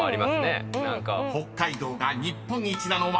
［北海道が日本一なのは？］